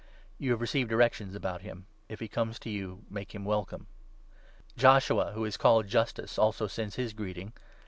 (You have received directions about him. If he comes to you, make him welcome.) Joshua, who is called n Justus, also sends his greeting.